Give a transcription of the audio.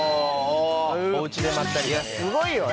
すごいよ！